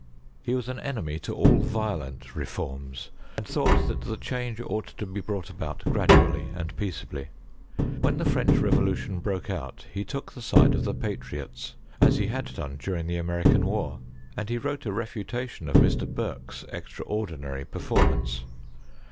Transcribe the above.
He was an enemy to all violent reforms, and thought that the change ought to be brought about gradually and peaceably. When the French revolution broke out he took the side of the patriots, as he had done during the American war ; and he wrote a refuta tion of Mr. Burke's extraordinary performance.